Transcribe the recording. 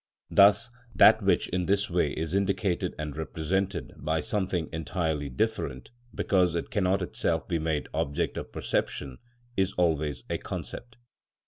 Thus, that which in this way is indicated and represented by something entirely different, because it cannot itself be made object of perception, is always a concept.